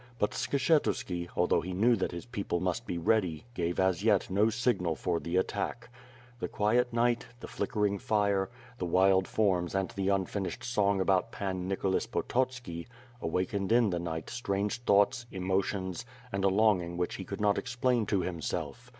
But Skshetuski, although he knew that his people must be ready, gave as yet no signal for the attack. The quiet night, the flickering fire, the wild forms and the un WITH FIRE AND SWORD, 357 finished song about Pan Nicholas Pototski awakened in the knight strange thoughts, emotions, and a longing which he could not explain to himself.